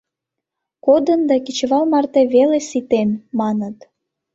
— Кодын да кечывал марте веле ситен, маныт.